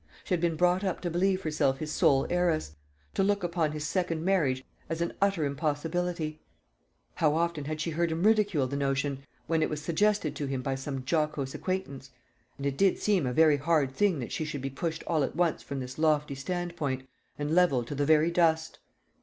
She had been brought up to believe herself his sole heiress, to look upon his second marriage as an utter impossibility. How often had she heard him ridicule the notion when it was suggested to him by some jocose acquaintance! and it did seem a very hard thing that she should be pushed all at once from this lofty stand point, and levelled to the very dust.